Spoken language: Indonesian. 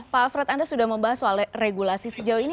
pak alfred anda sudah membahas soal regulasi sejauh ini